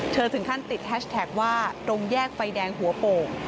ถึงขั้นติดแฮชแท็กว่าตรงแยกไฟแดงหัวโป่ง